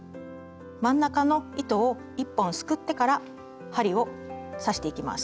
真ん中の糸を１本すくってから針を刺していきます。